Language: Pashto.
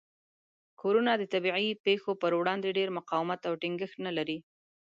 کورونه د طبیعي پیښو په وړاندې ډیر مقاومت او ټینګښت نه لري.